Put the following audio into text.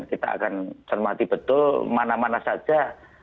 kita akan cermati betul mana mana saja